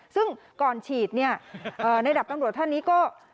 ซึ่งก่อนฉีดเนี่ยในดับตำรวจท่านนี้ก็